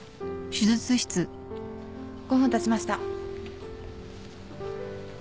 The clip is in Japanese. ５分たちました。